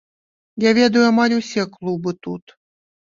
Я ведаю амаль усе клубы тут.